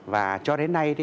và cho đến nay